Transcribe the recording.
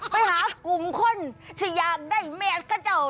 ไปหากลุ่มคนที่อยากได้แม่ก็เจ้า